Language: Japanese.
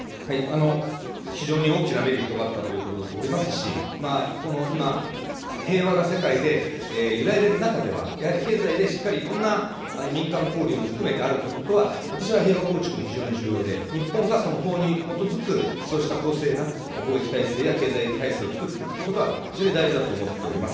非常に大きなメリットがあったということでございますし、この今、平和が世界で揺らいでる中では、やはり経済でしっかりいろんな民間交流も含めてあるということは、私は平和構築に非常に重要で日本がその法に基づく、そうした公正な貿易体制や経済体制を作っていくということは非常に大事だと思っております。